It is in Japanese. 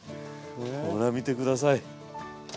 ほら見て下さい。